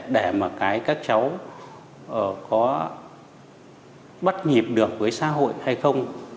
để mà cái các cháu có bắt nhịp được với xã hội hay không